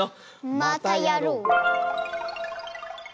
またやろう！